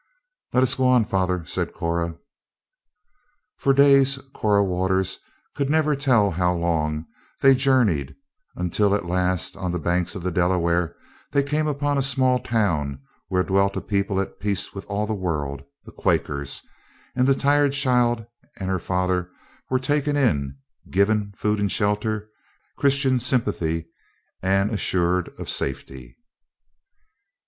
"Let us go on, father," said Cora. For days, Cora Waters could never tell how long, they journeyed, until at last, on the banks of the Delaware, they came upon a small town where dwelt a people at peace with all the world the Quakers, and the tired child and her father were taken in, given food and shelter, Christian sympathy, and assured of safety.